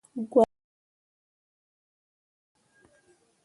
Gwahlle dai nah gwari ɓe.